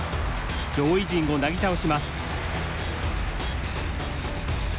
上位陣をなぎ倒します。